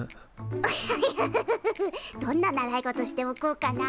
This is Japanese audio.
ウヒヒヒヒヒどんな習い事しておこうかな。